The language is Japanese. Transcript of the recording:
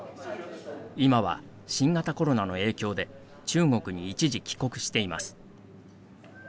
今は、新型コロナの影響で中国に一時帰国しています。